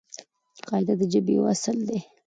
قاعده د ژبې یو اصل دئ.